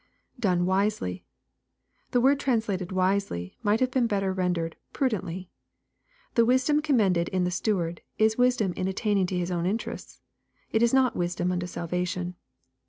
[Done wisely!] The word translated "wisely," might have been better rendered " prudently.'* The wisdom commended in the steward, is wisdom in attending to his own interests. It is not wisdom unto salvation.